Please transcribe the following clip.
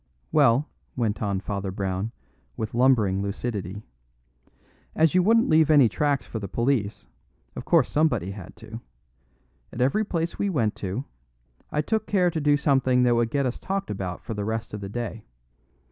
"Well," went on Father Brown, with lumbering lucidity, "as you wouldn't leave any tracks for the police, of course somebody had to. At every place we went to, I took care to do something that would get us talked about for the rest of the day.